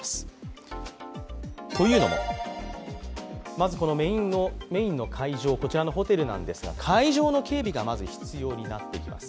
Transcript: まずメインの会場、こちらのホテルなんですが、海上の警備がまず必要になってきます。